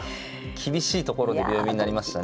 厳しいところで秒読みになりましたね。